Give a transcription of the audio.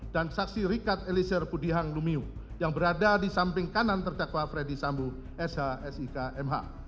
dan saksi rikat elisir budiang lumiu yang berada di samping kanan terdakwa freddy sambu sh sik mh